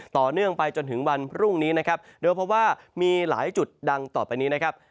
ต่อเนื่องไปจนถึงวันพรุ่งนี้นะครับโดยเพราะว่ามีหลายจุดดังต่อไปนี้นะครับ